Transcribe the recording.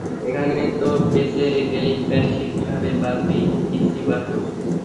এখানে তো বেঁচে গেলি, প্যারিসে কিভাবে বাঁঁচবি, কিজি বাসু?